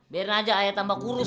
biarin aja ayah tambah kurus